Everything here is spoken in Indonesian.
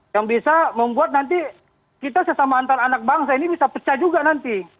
yang bisa membuat nanti kita sesama antar anak bangsa ini bisa pecah juga nanti